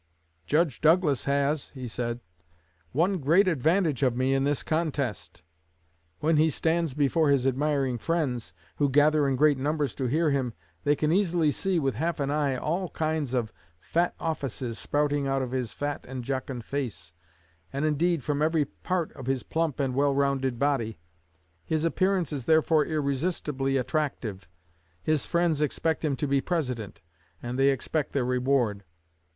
'Judge Douglas has,' he said, 'one great advantage of me in this contest. When he stands before his admiring friends, who gather in great numbers to hear him, they can easily see, with half an eye, all kinds of fat offices sprouting out of his fat and jocund face, and, indeed, from every part of his plump and well rounded body. His appearance is therefore irresistibly attractive. His friends expect him to be President, and they expect their reward.